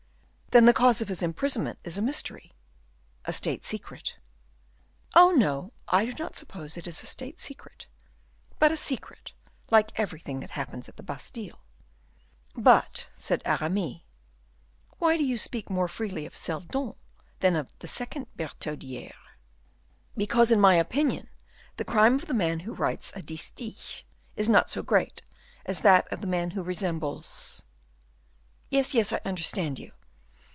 Then the cause of his imprisonment is a mystery a state secret." "Oh, no! I do not suppose it is a state secret, but a secret like everything that happens at the Bastile." "But," said Aramis, "why do you speak more freely of Seldon than of second Bertaudiere?" "Because, in my opinion, the crime of the man who writes a distich is not so great as that of the man who resembles " "Yes, yes; I understand you.